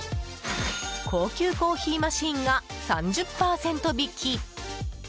高級コーヒーマシンが３０％引き。